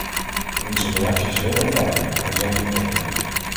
Onze reactie is heel eenvoudig: wij zijn hiertegen.